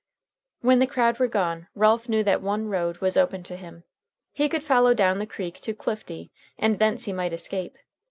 When the crowd were gone Ralph knew that one road was open to him. He could follow down the creek to Clifty, and thence he might escape.